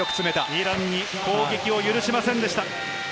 イランに攻撃を許しませんでした。